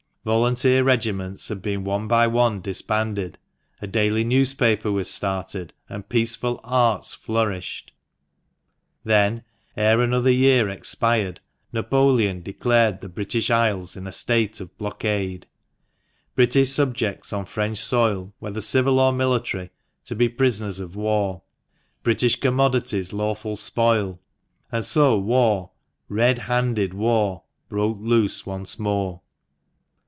Volunteer regiments had been one by one disbanded, a daily newspaper was started, and peaceful arts flourished. Then, ere another year expired, Napoleon declared the British Isles in a state of blockade; British subjects on French soil, whether civil or military, to be prisoners of war; British commodities lawful spoil; and so War — red handed War — broke loose once more.